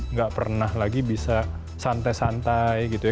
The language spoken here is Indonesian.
nggak pernah lagi bisa santai santai gitu ya